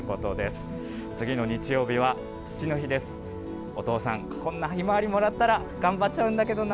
お父さん、こんなヒマワリもらったら、頑張っちゃうんだけどな。